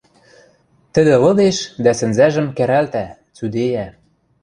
Тӹдӹ лыдеш дӓ сӹнзӓжӹм кӓрӓлтӓ, цӱдейӓ...